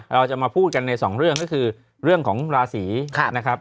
เราจะมาพูดกันในสองเรื่องก็คือเรื่องของราศีนะครับ